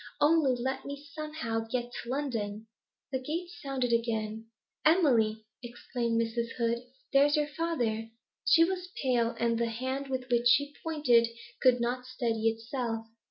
Only let me somehow get to London.' The gate sounded again. 'Emily,' exclaimed Mrs. Hood, 'there's your father!' She was pale, and the hand with which she pointed could not steady itself.